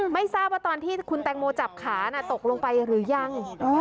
ไม่ทราบว่าตอนที่คุณแตงโมจับขาตกลงไปหรือยัง